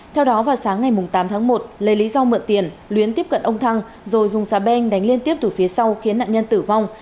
theo đó vào sáng ngày tám tháng một lấy lý do mượn tiền luyến tiếp cận ông thăng rồi dùng xà beng đánh liên tiếp từ phía sau khiến nạn nhân tử vong